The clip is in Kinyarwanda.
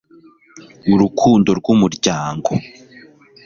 urukundo rw'umuryango